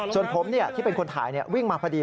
ส่วนผมที่เป็นคนถ่ายวิ่งมาพอดี